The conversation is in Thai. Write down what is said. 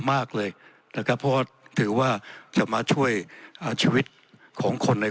มากเลยนะครับเพราะว่าถือว่าจะมาช่วยอ่าชีวิตของคนใน